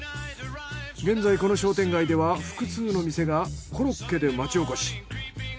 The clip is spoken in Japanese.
現在この商店街では複数の店がコロッケで町おこし。